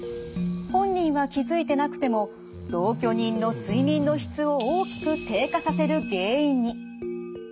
本人は気付いてなくても同居人の睡眠の質を大きく低下させる原因に。